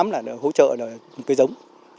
một trăm linh là không có cây giống